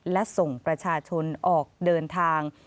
และส่งประชาชนออกเดินทาง